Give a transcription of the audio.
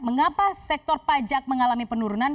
mengapa sektor pajak mengalami penurunan